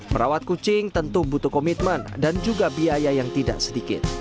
merawat kucing tentu butuh komitmen dan juga biaya yang tidak sedikit